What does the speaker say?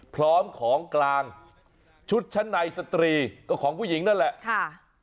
พร้อมของกลางชุดชั้นในสตรีก็ของผู้หญิงนั่นแหละค่ะ